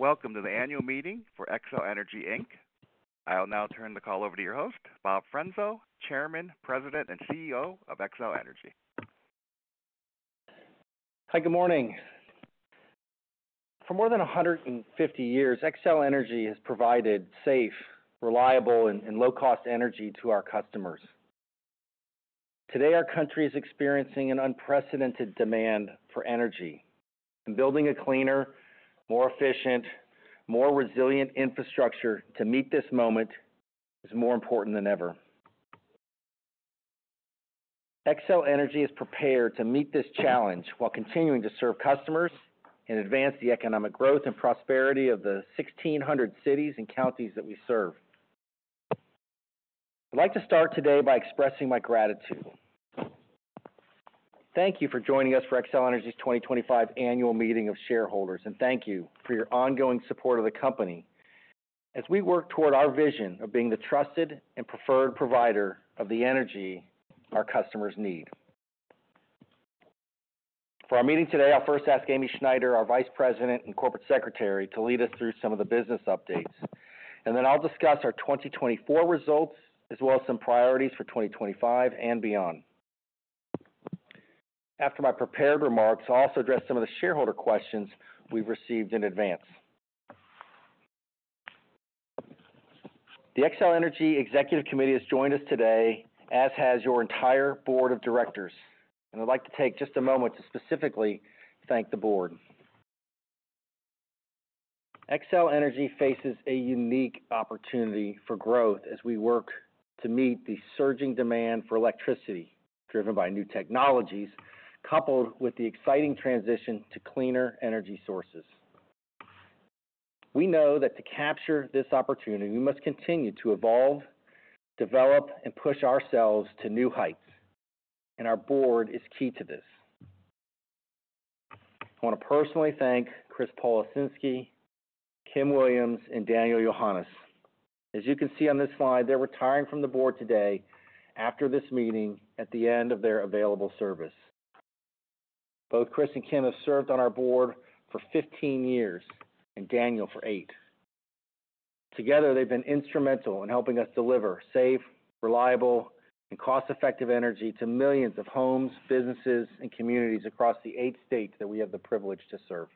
Welcome to the annual meeting for Xcel Energy Inc. I'll now turn the call over to your host, Bob Frenzel, Chairman, President, and CEO of Xcel Energy. Hi, good morning. For more than 150 years, Xcel Energy has provided safe, reliable, and low-cost energy to our customers. Today, our country is experiencing an unprecedented demand for energy, and building a cleaner, more efficient, more resilient infrastructure to meet this moment is more important than ever. Xcel Energy is prepared to meet this challenge while continuing to serve customers and advance the economic growth and prosperity of the 1,600 cities and counties that we serve. I'd like to start today by expressing my gratitude. Thank you for joining us for Xcel Energy's 2025 annual meeting of shareholders, and thank you for your ongoing support of the company as we work toward our vision of being the trusted and preferred provider of the energy our customers need. For our meeting today, I'll first ask Amy Schneider, our Vice President and Corporate Secretary, to lead us through some of the business updates, and then I'll discuss our 2024 results as well as some priorities for 2025 and beyond. After my prepared remarks, I'll also address some of the shareholder questions we've received in advance. The Xcel Energy Executive Committee has joined us today, as has your entire board of directors, and I'd like to take just a moment to specifically thank the board. Xcel Energy faces a unique opportunity for growth as we work to meet the surging demand for electricity driven by new technologies, coupled with the exciting transition to cleaner energy sources. We know that to capture this opportunity, we must continue to evolve, develop, and push ourselves to new heights, and our board is key to this. I want to personally thank Chris Policinski, Kim Williams, and Daniel Yohannes. As you can see on this slide, they're retiring from the board today after this meeting at the end of their available service. Both Chris and Kim have served on our board for 15 years, and Daniel for 8. Together, they've been instrumental in helping us deliver safe, reliable, and cost-effective energy to millions of homes, businesses, and communities across the eight states that we have the privilege to serve.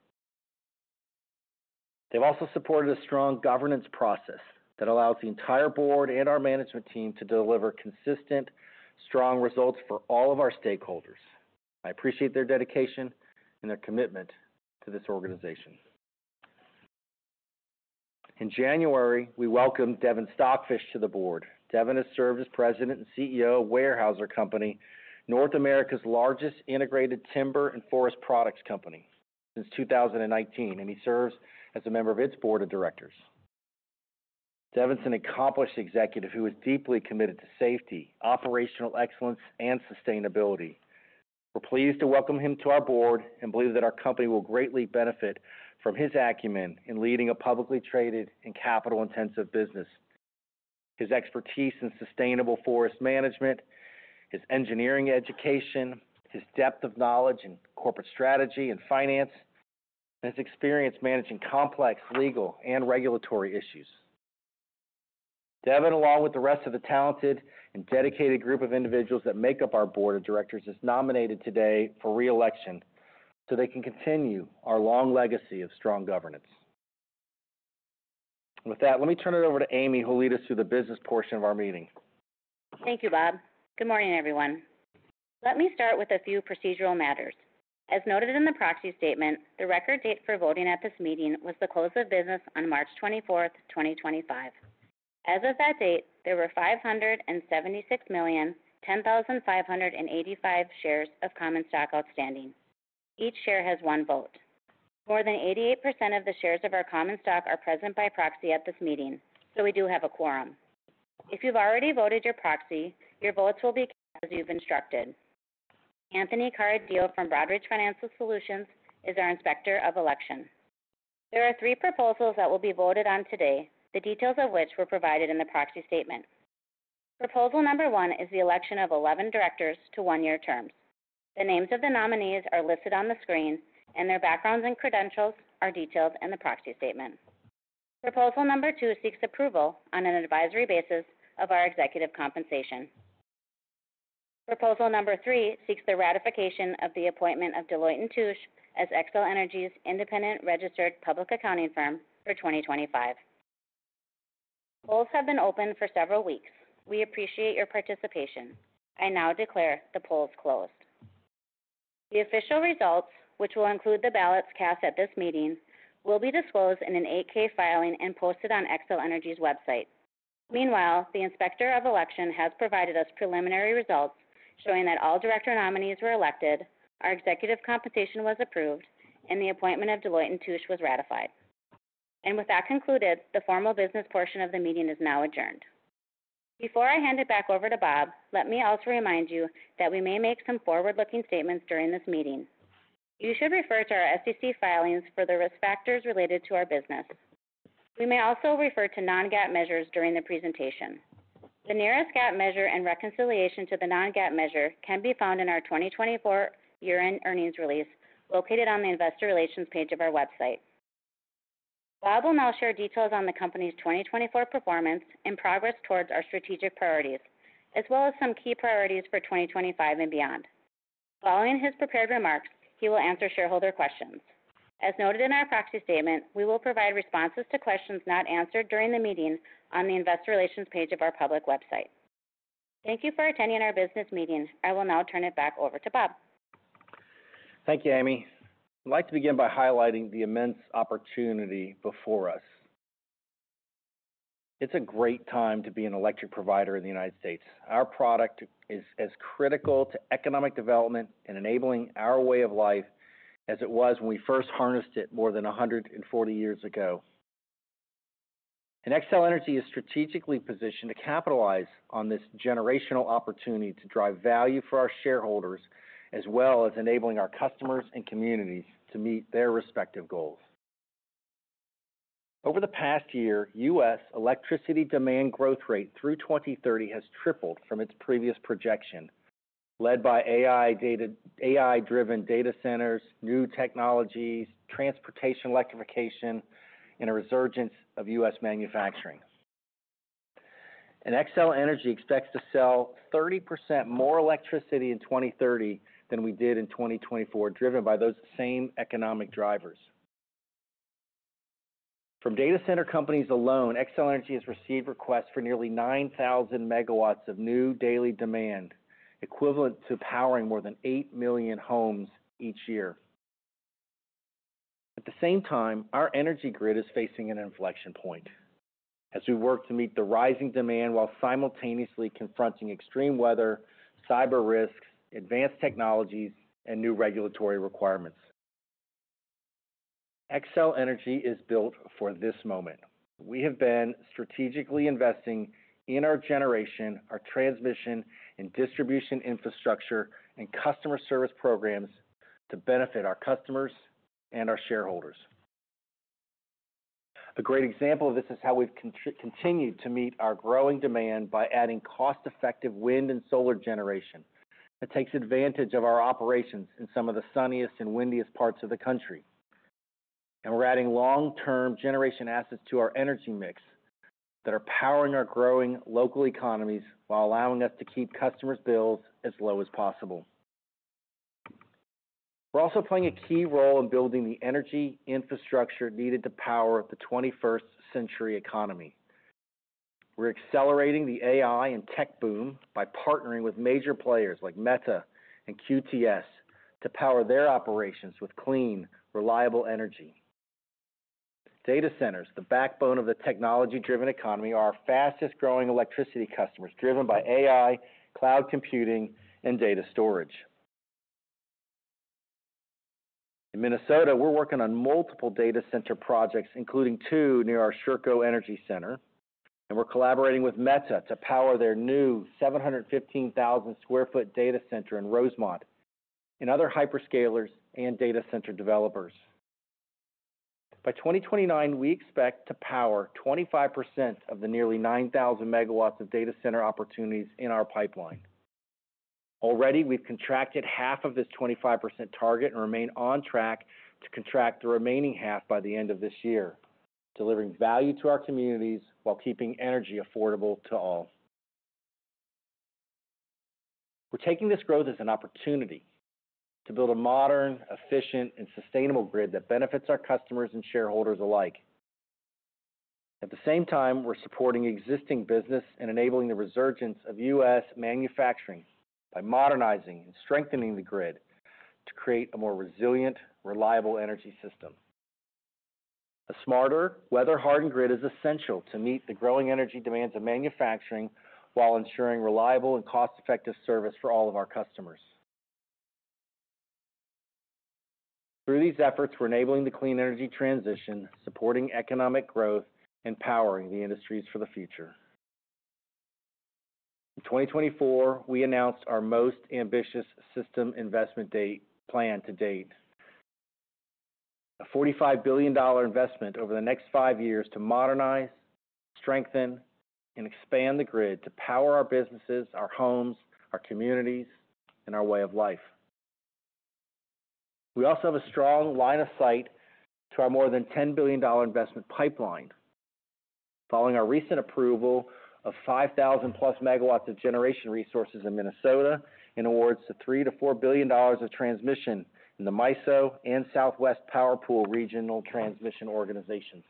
They've also supported a strong governance process that allows the entire board and our management team to deliver consistent, strong results for all of our stakeholders. I appreciate their dedication and their commitment to this organization. In January, we welcomed Devin Stockfish to the board. Devin has served as President and CEO of Weyerhaeuser Company, North America's largest integrated timber and forest products company since 2019, and he serves as a member of its board of directors. Devin's an accomplished executive who is deeply committed to safety, operational excellence, and sustainability. We're pleased to welcome him to our board and believe that our company will greatly benefit from his acumen in leading a publicly traded and capital-intensive business, his expertise in sustainable forest management, his engineering education, his depth of knowledge in corporate strategy and finance, and his experience managing complex legal and regulatory issues. Devin, along with the rest of the talented and dedicated group of individuals that make up our board of directors, is nominated today for re-election so they can continue our long legacy of strong governance. With that, let me turn it over to Amy, who will lead us through the business portion of our meeting. Thank you, Bob. Good morning, everyone. Let me start with a few procedural matters. As noted in the proxy statement, the record date for voting at this meeting was the close of business on March 24th, 2025. As of that date, there were 576,110,585 shares of common stock outstanding. Each share has one vote. More than 88% of the shares of our common stock are present by proxy at this meeting, so we do have a quorum. If you've already voted your proxy, your votes will be counted as you've instructed. Anthony Caratzas from Broadridge Financial Solutions is our Inspector of Election. There are three proposals that will be voted on today, the details of which were provided in the proxy statement. Proposal number one is the election of 11 directors to one-year terms. The names of the nominees are listed on the screen, and their backgrounds and credentials are detailed in the proxy statement. Proposal number two seeks approval on an advisory basis of our executive compensation. Proposal number three seeks the ratification of the appointment of Deloitte & Touche as Xcel Energy's independent registered public accounting firm for 2025. Polls have been open for several weeks. We appreciate your participation. I now declare the polls closed. The official results, which will include the ballots cast at this meeting, will be disclosed in an 8-K filing and posted on Xcel Energy's website. Meanwhile, the Inspector of Election has provided us preliminary results showing that all director nominees were elected, our executive compensation was approved, and the appointment of Deloitte & Touche was ratified. With that concluded, the formal business portion of the meeting is now adjourned. Before I hand it back over to Bob, let me also remind you that we may make some forward-looking statements during this meeting. You should refer to our SEC filings for the risk factors related to our business. We may also refer to non-GAAP measures during the presentation. The nearest GAAP measure and reconciliation to the non-GAAP measure can be found in our 2024 year-end earnings release located on the Investor Relations page of our website. Bob will now share details on the company's 2024 performance and progress towards our strategic priorities, as well as some key priorities for 2025 and beyond. Following his prepared remarks, he will answer shareholder questions. As noted in our proxy statement, we will provide responses to questions not answered during the meeting on the Investor Relations page of our public website. Thank you for attending our business meeting. I will now turn it back over to Bob. Thank you, Amy. I'd like to begin by highlighting the immense opportunity before us. It's a great time to be an electric provider in the United States. Our product is as critical to economic development and enabling our way of life as it was when we first harnessed it more than 140 years ago. Xcel Energy is strategically positioned to capitalize on this generational opportunity to drive value for our shareholders, as well as enabling our customers and communities to meet their respective goals. Over the past year, U.S. electricity demand growth rate through 2030 has tripled from its previous projection, led by AI-driven data centers, new technologies, transportation electrification, and a resurgence of U.S. manufacturing. Xcel Energy expects to sell 30% more electricity in 2030 than we did in 2024, driven by those same economic drivers. From data center companies alone, Xcel Energy has received requests for nearly 9,000 MW of new daily demand, equivalent to powering more than 8 million homes each year. At the same time, our energy grid is facing an inflection point as we work to meet the rising demand while simultaneously confronting extreme weather, cyber risks, advanced technologies, and new regulatory requirements. Xcel Energy is built for this moment. We have been strategically investing in our generation, our transmission and distribution infrastructure, and customer service programs to benefit our customers and our shareholders. A great example of this is how we've continued to meet our growing demand by adding cost-effective wind and solar generation that takes advantage of our operations in some of the sunniest and windiest parts of the country. We are adding long-term generation assets to our energy mix that are powering our growing local economies while allowing us to keep customers' bills as low as possible. We are also playing a key role in building the energy infrastructure needed to power the 21st-century economy. We are accelerating the AI and tech boom by partnering with major players like Meta and QTS to power their operations with clean, reliable energy. Data centers, the backbone of the technology-driven economy, are our fastest-growing electricity customers, driven by AI, cloud computing, and data storage. In Minnesota, we are working on multiple data center projects, including two near our Sherco Energy Center, and we are collaborating with Meta to power their new 715,000 sq ft data center in Rosemont and other hyperscalers and data center developers. By 2029, we expect to power 25% of the nearly 9,000 MW of data center opportunities in our pipeline. Already, we've contracted half of this 25% target and remain on track to contract the remaining half by the end of this year, delivering value to our communities while keeping energy affordable to all. We're taking this growth as an opportunity to build a modern, efficient, and sustainable grid that benefits our customers and shareholders alike. At the same time, we're supporting existing business and enabling the resurgence of U.S. manufacturing by modernizing and strengthening the grid to create a more resilient, reliable energy system. A smarter, weather-hardened grid is essential to meet the growing energy demands of manufacturing while ensuring reliable and cost-effective service for all of our customers. Through these efforts, we're enabling the clean energy transition, supporting economic growth, and powering the industries for the future. In 2024, we announced our most ambitious system investment planned to date: a $45 billion investment over the next five years to modernize, strengthen, and expand the grid to power our businesses, our homes, our communities, and our way of life. We also have a strong line of sight to our more than $10 billion investment pipeline, following our recent approval of 5,000+ MW of generation resources in Minnesota and awards to $3 billion-$4 billion of transmission in the MISO and Southwest Power Pool Regional Transmission Organizations.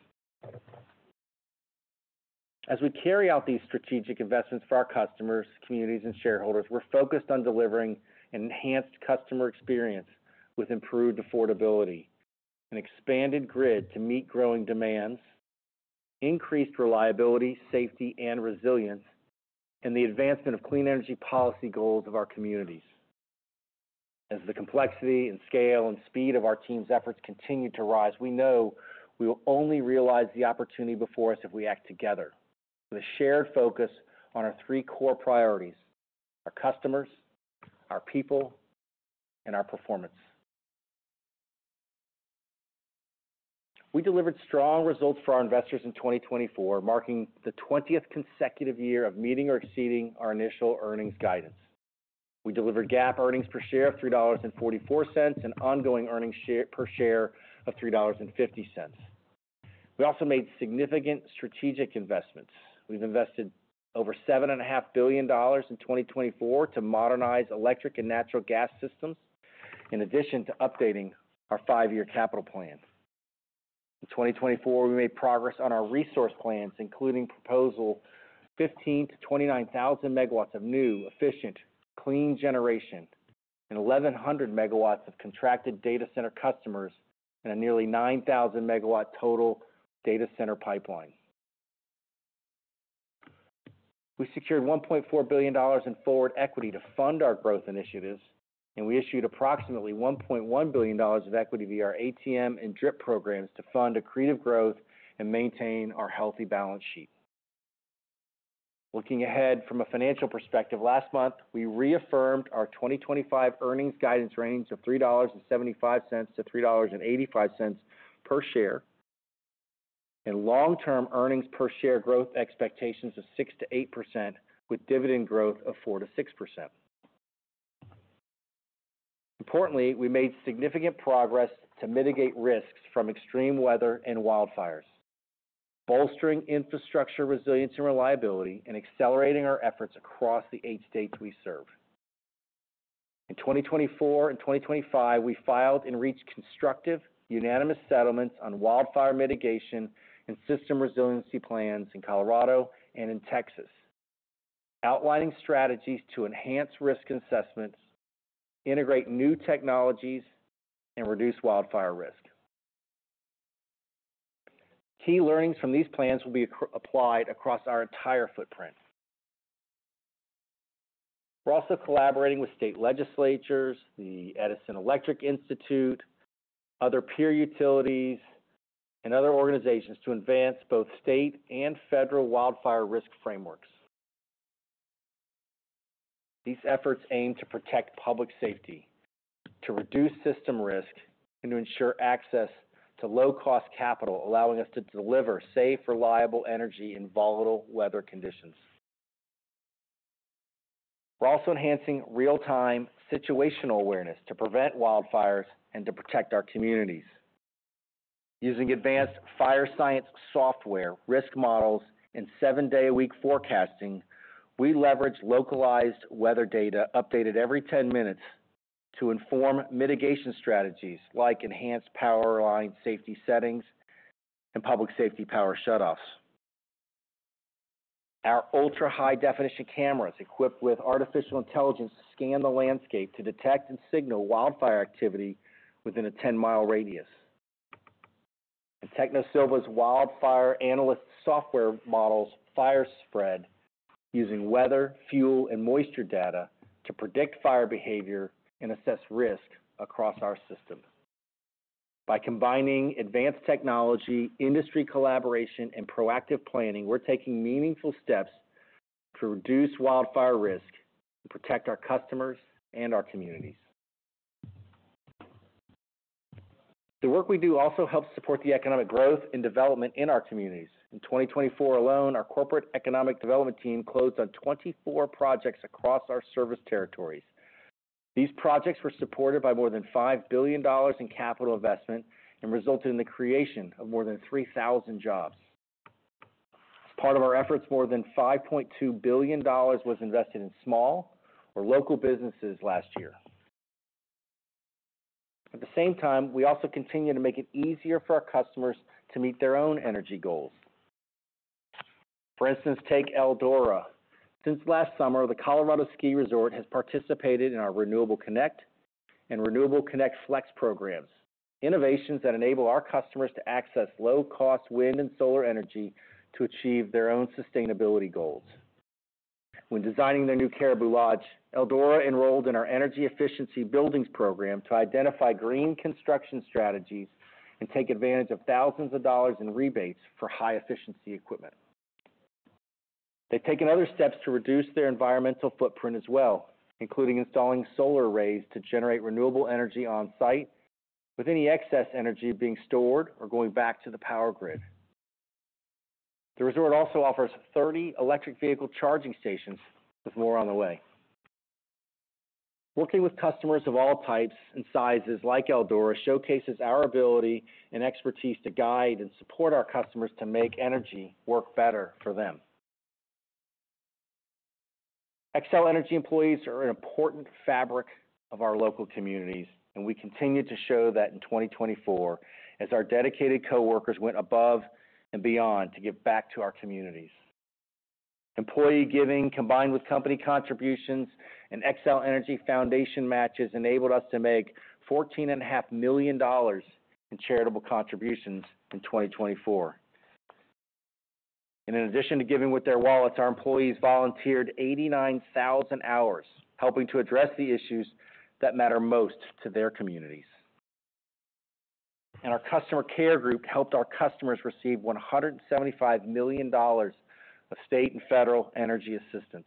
As we carry out these strategic investments for our customers, communities, and shareholders, we're focused on delivering an enhanced customer experience with improved affordability, an expanded grid to meet growing demands, increased reliability, safety, and resilience, and the advancement of clean energy policy goals of our communities. As the complexity and scale and speed of our team's efforts continue to rise, we know we will only realize the opportunity before us if we act together with a shared focus on our three core priorities: our customers, our people, and our performance. We delivered strong results for our investors in 2024, marking the 20th consecutive year of meeting or exceeding our initial earnings guidance. We delivered GAAP earnings per share of $3.44 and ongoing earnings per share of $3.50. We also made significant strategic investments. We've invested over $7.5 billion in 2024 to modernize electric and natural gas systems, in addition to updating our five-year capital plan. In 2024, we made progress on our resource plans, including proposal 15,000 MW to 29,000 MW of new, efficient, clean generation and 1,100 MW of contracted data center customers and a nearly 9,000 MW total data center pipeline. We secured $1.4 billion in forward equity to fund our growth initiatives, and we issued approximately $1.1 billion of equity via our ATM and DRIP programs to fund accretive growth and maintain our healthy balance sheet. Looking ahead from a financial perspective, last month, we reaffirmed our 2025 earnings guidance range of $3.75-$3.85 per share and long-term earnings per share growth expectations of 6%-8%, with dividend growth of 4%-6%. Importantly, we made significant progress to mitigate risks from extreme weather and wildfires, bolstering infrastructure resilience and reliability, and accelerating our efforts across the eight states we serve. In 2024 and 2025, we filed and reached constructive, unanimous settlements on wildfire mitigation and system resiliency plans in Colorado and in Texas, outlining strategies to enhance risk assessments, integrate new technologies, and reduce wildfire risk. Key learnings from these plans will be applied across our entire footprint. We're also collaborating with state legislatures, the Edison Electric Institute, other peer utilities, and other organizations to advance both state and federal wildfire risk frameworks. These efforts aim to protect public safety, to reduce system risk, and to ensure access to low-cost capital, allowing us to deliver safe, reliable energy in volatile weather conditions. We're also enhancing real-time situational awareness to prevent wildfires and to protect our communities. Using advanced fire science software, risk models, and seven-day-a-week forecasting, we leverage localized weather data updated every 10 minutes to inform mitigation strategies like enhanced power line safety settings and public safety power shutoffs. Our ultra-high-definition cameras equipped with artificial intelligence scan the landscape to detect and signal wildfire activity within a 10-mile radius. Technosylva's Wildfire Analyst software models fire spread using weather, fuel, and moisture data to predict fire behavior and assess risk across our system. By combining advanced technology, industry collaboration, and proactive planning, we're taking meaningful steps to reduce wildfire risk and protect our customers and our communities. The work we do also helps support the economic growth and development in our communities. In 2024 alone, our corporate economic development team closed on 24 projects across our service territories. These projects were supported by more than $5 billion in capital investment and resulted in the creation of more than 3,000 jobs. As part of our efforts, more than $5.2 billion was invested in small or local businesses last year. At the same time, we also continue to make it easier for our customers to meet their own energy goals. For instance, take Eldora. Since last summer, the Colorado Ski Resort has participated in our Renewable Connect and Renewable Connect Flex programs, innovations that enable our customers to access low-cost wind and solar energy to achieve their own sustainability goals. When designing their new Caribou Lodge, Eldora enrolled in our Energy Efficiency Buildings program to identify green construction strategies and take advantage of thousands of dollars in rebates for high-efficiency equipment. They've taken other steps to reduce their environmental footprint as well, including installing solar arrays to generate renewable energy on-site, with any excess energy being stored or going back to the power grid. The resort also offers 30 electric vehicle charging stations, with more on the way. Working with customers of all types and sizes like Eldora showcases our ability and expertise to guide and support our customers to make energy work better for them. Xcel Energy employees are an important fabric of our local communities, and we continue to show that in 2024, as our dedicated coworkers went above and beyond to give back to our communities. Employee giving, combined with company contributions and Xcel Energy Foundation matches, enabled us to make $14.5 million in charitable contributions in 2024. In addition to giving with their wallets, our employees volunteered 89,000 hours, helping to address the issues that matter most to their communities. Our customer care group helped our customers receive $175 million of state and federal energy assistance.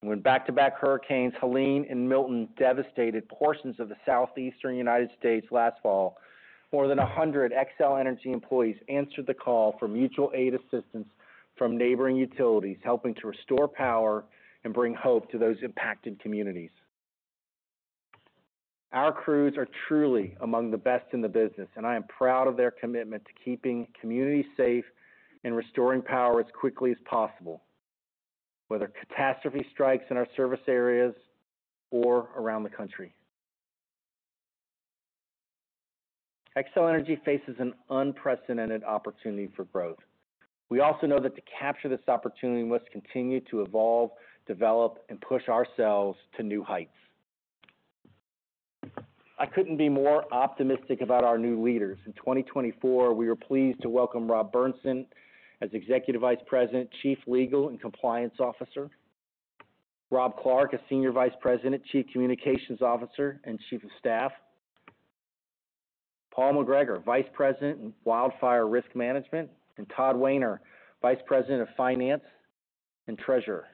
When back-to-back hurricanes Helene and Milton devastated portions of the southeastern United States last fall, more than 100 Xcel Energy employees answered the call for mutual aid assistance from neighboring utilities, helping to restore power and bring hope to those impacted communities. Our crews are truly among the best in the business, and I am proud of their commitment to keeping communities safe and restoring power as quickly as possible, whether catastrophe strikes in our service areas or around the country. Xcel Energy faces an unprecedented opportunity for growth. We also know that to capture this opportunity, we must continue to evolve, develop, and push ourselves to new heights. I couldn't be more optimistic about our new leaders. In 2024, we were pleased to welcome Rob Berntsen as Executive Vice President, Chief Legal and Compliance Officer, Rob Clark as Senior Vice President, Chief Communications Officer, and Chief of Staff, Paul McGregor, Vice President in Wildfire Risk Management, and Todd Wehner, Vice President of Finance and Treasurer.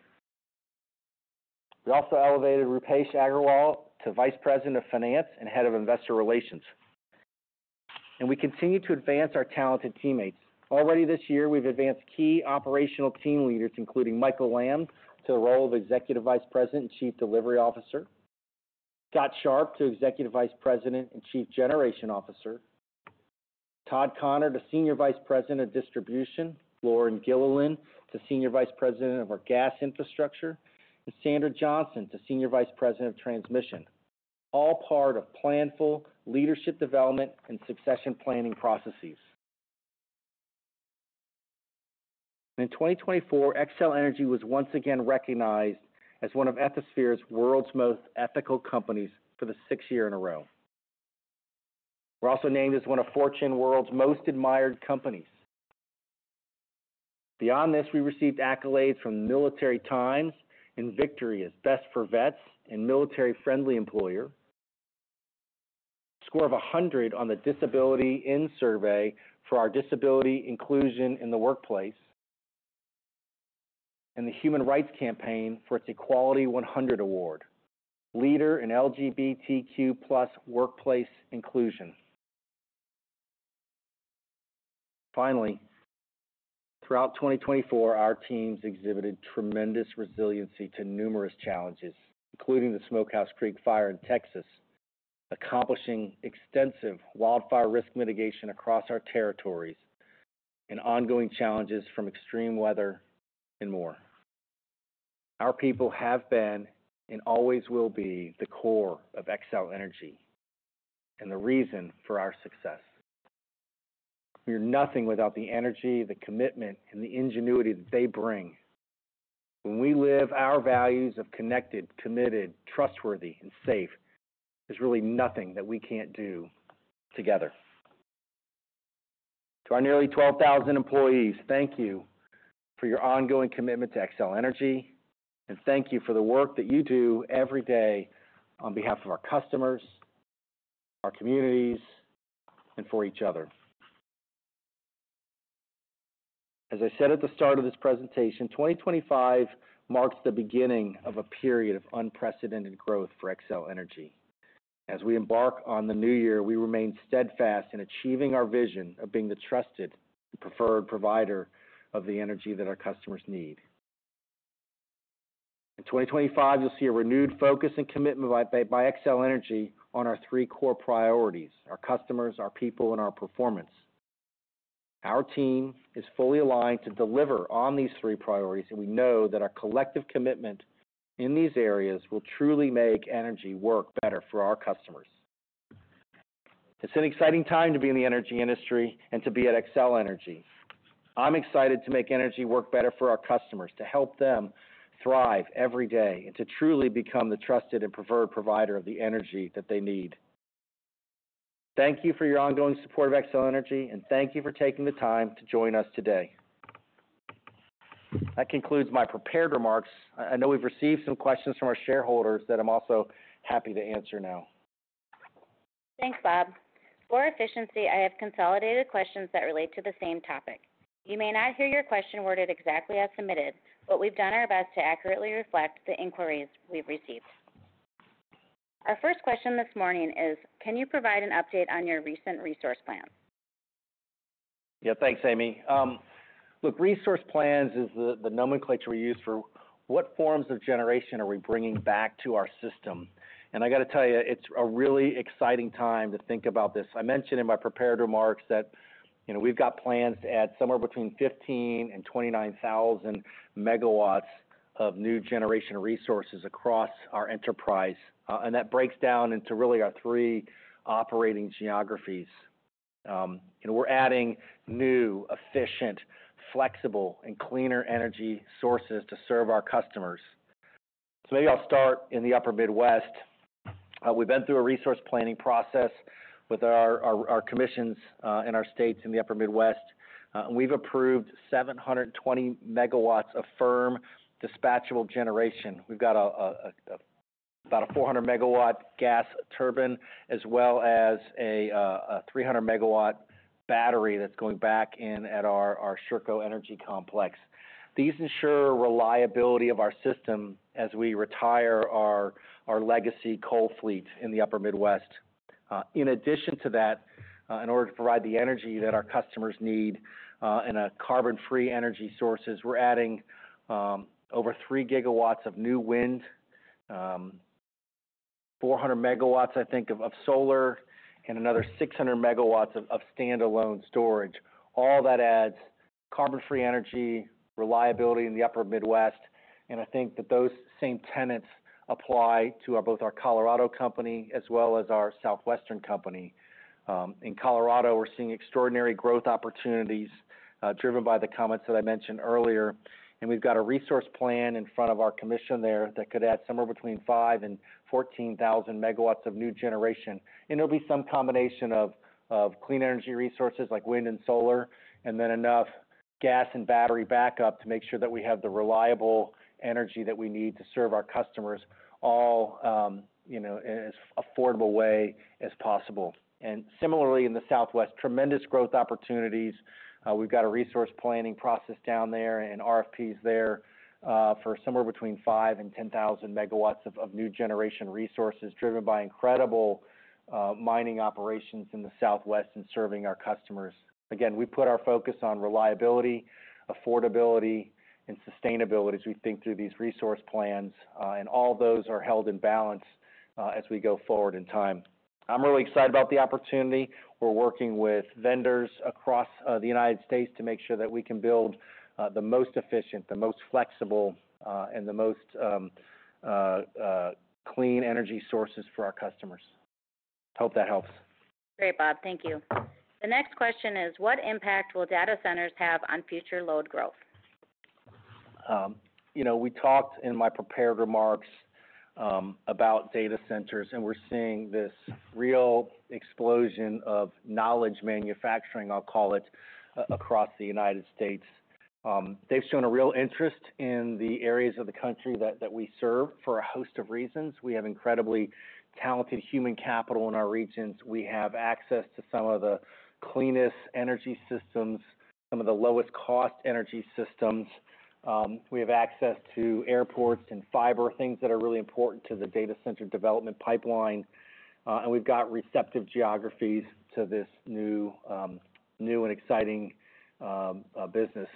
We also elevated Roopesh Aggarwal to Vice President of Finance and Head of Investor Relations. We continue to advance our talented teammates. Already this year, we've advanced key operational team leaders, including Michael Lamb to the role of Executive Vice President and Chief Delivery Officer, Scott Sharp to Executive Vice President and Chief Generation Officer, Todd Conner to Senior Vice President of Distribution, Lauren Gilliland to Senior Vice President of our Gas Infrastructure, and Sandra Johnson to Senior Vice President of Transmission, all part of planful leadership development and succession planning processes. In 2024, Xcel Energy was once again recognized as one of Ethisphere's world's most ethical companies for the sixth year in a row. We're also named as one of Fortune's world's most admired companies. Beyond this, we received accolades from Military Times and VIQTORY as Best for Vets and Military-Friendly Employer, a score of 100 on the Disability:IN survey for our disability inclusion in the workplace, and the Human Rights Campaign for its Equality 100 Award, Leader in LGBTQ+ Workplace Inclusion. Finally, throughout 2024, our teams exhibited tremendous resiliency to numerous challenges, including the Smokehouse Creek Fire in Texas, accomplishing extensive wildfire risk mitigation across our territories, and ongoing challenges from extreme weather and more. Our people have been and always will be the core of Xcel Energy and the reason for our success. We are nothing without the energy, the commitment, and the ingenuity that they bring. When we live our values of connected, committed, trustworthy, and safe, there's really nothing that we can't do together. To our nearly 12,000 employees, thank you for your ongoing commitment to Xcel Energy, and thank you for the work that you do every day on behalf of our customers, our communities, and for each other. As I said at the start of this presentation, 2025 marks the beginning of a period of unprecedented growth for Xcel Energy. As we embark on the new year, we remain steadfast in achieving our vision of being the trusted and preferred provider of the energy that our customers need. In 2025, you'll see a renewed focus and commitment by Xcel Energy on our three core priorities: our customers, our people, and our performance. Our team is fully aligned to deliver on these three priorities, and we know that our collective commitment in these areas will truly make energy work better for our customers. It's an exciting time to be in the energy industry and to be at Xcel Energy. I'm excited to make energy work better for our customers, to help them thrive every day, and to truly become the trusted and preferred provider of the energy that they need. Thank you for your ongoing support of Xcel Energy, and thank you for taking the time to join us today. That concludes my prepared remarks. I know we've received some questions from our shareholders that I'm also happy to answer now. Thanks, Bob. For efficiency, I have consolidated questions that relate to the same topic. You may not hear your question worded exactly as submitted, but we've done our best to accurately reflect the inquiries we've received. Our first question this morning is, can you provide an update on your recent resource plan? Yeah, thanks, Amy. Look, resource plans is the nomenclature we use for what forms of generation are we bringing back to our system? I got to tell you, it's a really exciting time to think about this. I mentioned in my prepared remarks that we've got plans to add somewhere between 15,000 MW-29,000 MW of new generation resources across our enterprise, and that breaks down into really our three operating geographies. We're adding new, efficient, flexible, and cleaner energy sources to serve our customers. Maybe I'll start in the Upper Midwest. We've been through a resource planning process with our commissions in our states in the Upper Midwest, and we've approved 720 MW of firm dispatchable generation. We've got about a 400 MW gas turbine, as well as a 300 MW battery that's going back in at our Sherco Energy Center. These ensure reliability of our system as we retire our legacy coal fleet in the Upper Midwest. In addition to that, in order to provide the energy that our customers need and a carbon-free energy sources, we're adding over 3 GW of new wind, 400 MW, I think, of solar, and another 600 MW of standalone storage. All that adds carbon-free energy reliability in the Upper Midwest, and I think that those same tenets apply to both our Colorado company as well as our Southwestern company. In Colorado, we're seeing extraordinary growth opportunities driven by the comments that I mentioned earlier, and we've got a resource plan in front of our commission there that could add somewhere between 5,000 MW and 14,000 MW of new generation. There will be some combination of clean energy resources like wind and solar, and then enough gas and battery backup to make sure that we have the reliable energy that we need to serve our customers all in as affordable a way as possible. Similarly, in the Southwest, tremendous growth opportunities. We have a resource planning process down there and RFPs there for somewhere between 5,000 MW and 10,000 MW of new generation resources driven by incredible mining operations in the Southwest and serving our customers. Again, we put our focus on reliability, affordability, and sustainability as we think through these resource plans, and all those are held in balance as we go forward in time. I'm really excited about the opportunity. We're working with vendors across the United States to make sure that we can build the most efficient, the most flexible, and the most clean energy sources for our customers. Hope that helps. Great, Bob. Thank you. The next question is, what impact will data centers have on future load growth? We talked in my prepared remarks about data centers, and we're seeing this real explosion of knowledge manufacturing, I'll call it, across the United States. They've shown a real interest in the areas of the country that we serve for a host of reasons. We have incredibly talented human capital in our regions. We have access to some of the cleanest energy systems, some of the lowest-cost energy systems. We have access to airports and fiber, things that are really important to the data center development pipeline. We have got receptive geographies to this new and exciting business.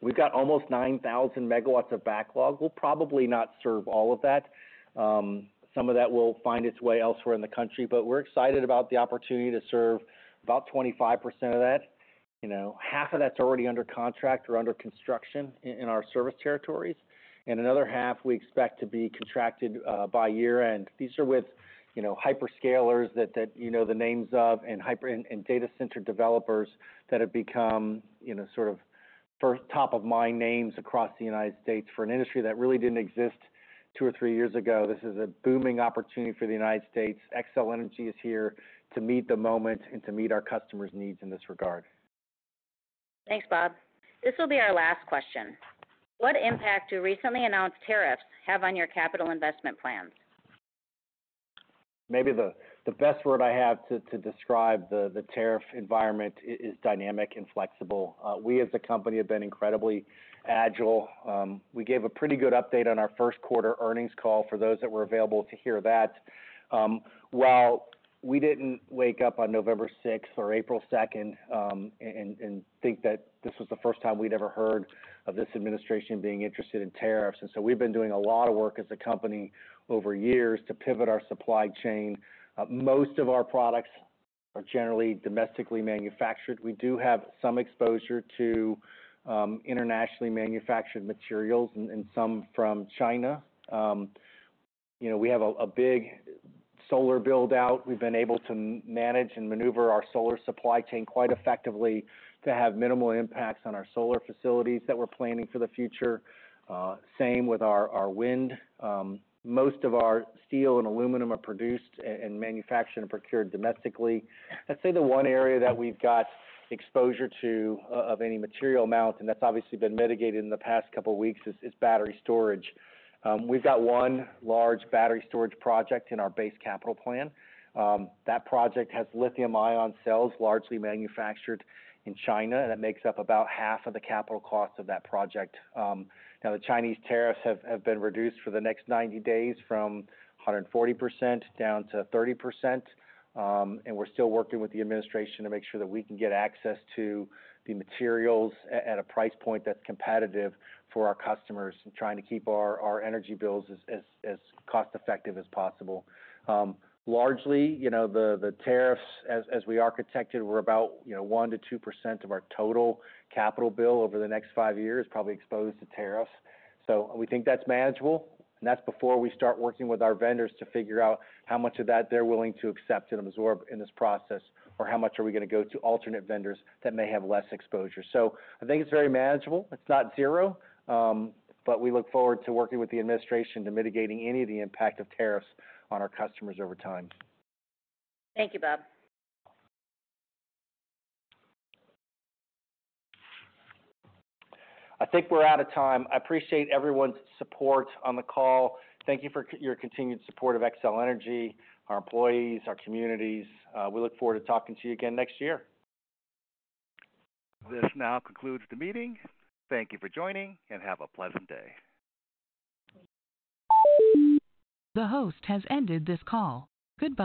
We've got almost 9,000 MW of backlog. We'll probably not serve all of that. Some of that will find its way elsewhere in the country, but we're excited about the opportunity to serve about 25% of that. Half of that's already under contract or under construction in our service territories, and another half we expect to be contracted by year-end. These are with hyperscalers that you know the names of and data center developers that have become sort of top-of-mind names across the United States for an industry that really didn't exist two or three years ago. This is a booming opportunity for the United States. Xcel Energy is here to meet the moment and to meet our customers' needs in this regard. Thanks, Bob. This will be our last question. What impact do recently announced tariffs have on your capital investment plans? Maybe the best word I have to describe the tariff environment is dynamic and flexible. We, as a company, have been incredibly agile. We gave a pretty good update on our first quarter earnings call for those that were available to hear that. We did not wake up on November 6th or April 2nd and think that this was the first time we had ever heard of this administration being interested in tariffs. We have been doing a lot of work as a company over years to pivot our supply chain. Most of our products are generally domestically manufactured. We do have some exposure to internationally manufactured materials and some from China. We have a big solar build-out. We have been able to manage and maneuver our solar supply chain quite effectively to have minimal impacts on our solar facilities that we are planning for the future. Same with our wind. Most of our steel and aluminum are produced and manufactured and procured domestically. I'd say the one area that we've got exposure to of any material amount, and that's obviously been mitigated in the past couple of weeks, is battery storage. We've got one large battery storage project in our base capital plan. That project has lithium-ion cells largely manufactured in China, and that makes up about half of the capital cost of that project. Now, the Chinese tariffs have been reduced for the next 90 days from 140% down to 30%, and we're still working with the administration to make sure that we can get access to the materials at a price point that's competitive for our customers and trying to keep our energy bills as cost-effective as possible. Largely, the tariffs, as we architected, were about 1%-2% of our total capital bill over the next five years, probably exposed to tariffs. We think that's manageable, and that's before we start working with our vendors to figure out how much of that they're willing to accept and absorb in this process, or how much are we going to go to alternate vendors that may have less exposure. I think it's very manageable. It's not zero, but we look forward to working with the administration to mitigating any of the impact of tariffs on our customers over time. Thank you, Bob. I think we're out of time. I appreciate everyone's support on the call. Thank you for your continued support of Xcel Energy, our employees, our communities. We look forward to talking to you again next year. This now concludes the meeting. Thank you for joining, and have a pleasant day. The host has ended this call. Goodbye.